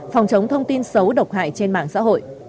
phòng chống thông tin xấu độc hại trên mạng xã hội